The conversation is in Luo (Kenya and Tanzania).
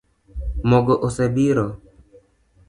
Mogo osebiro